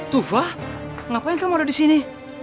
tufa ngapain kamu ada disini